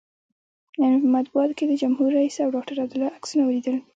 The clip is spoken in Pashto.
نن مې په مطبوعاتو کې د جمهور رئیس او ډاکتر عبدالله عکسونه ولیدل.